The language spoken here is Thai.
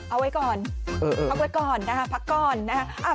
เอาไว้ก่อนเอาไว้ก่อนแล้วนะภักการณ์